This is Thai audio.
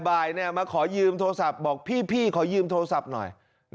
บ่ายมาขอยืมโทรศัพท์บอกพี่ขอยืมโทรศัพท์หน่อย